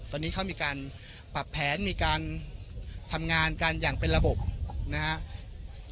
ตอนนี้เขามีการปรับแผนมีการทำงานกันอย่างเป็นระบบนะครับ